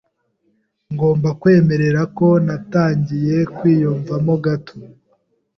Ngomba kwemerera ko natangiye kwiyumvamo gato.